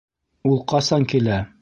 Ул ҡасан килә?